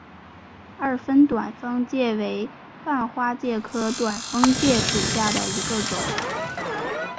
二分短蜂介为半花介科短蜂介属下的一个种。